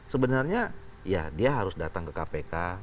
sebenarnya ya dia harus datang ke kpk